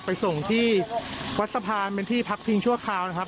ไปส่งที่วัดสะพานเป็นที่พักพิงชั่วคราวนะครับ